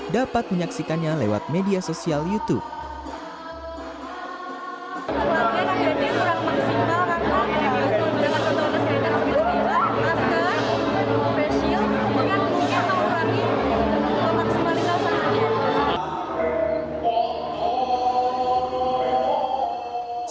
dapat menyaksikannya lewat media sosial youtube